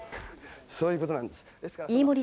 そういうことなんです。